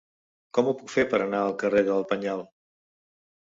Com ho puc fer per anar al carrer del Penyal?